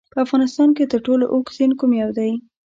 په افغانستان کې تر ټولو اوږد سیند کوم یو دی؟